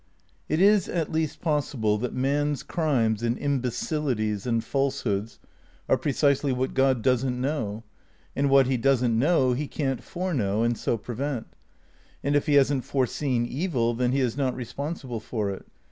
It is at least possible that man's crimes and imbecil ities and falsehoods are precisely what God doesn't know. And what he doesn't know he can't foreknow and so prevent. And if he hasn't foreseen evil, then he is not responsible for it.